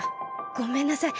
ごめんなさい。